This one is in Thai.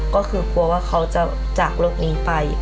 ก็คือกลัวว่าเขาจะจากโลกนี้ไป